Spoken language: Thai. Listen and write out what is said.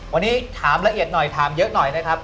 วันนี้ถามละเอียดหน่อยถามเยอะหน่อยนะครับ